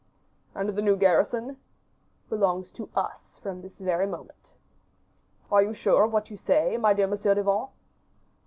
"And the new garrison?" "Belongs to us from this very moment." "Are you sure of what you say, my dear Monsieur de Vannes?"